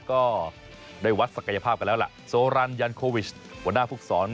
ก็ได้วัดศักยภาพกันแล้วล่ะโซรันยันโควิชหัวหน้าภูกษร